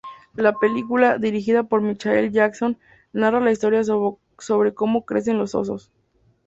La película, dirigida por Michael Johnson, narra la historia sobre cómo crecen los osos.